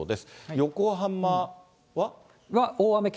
横浜は？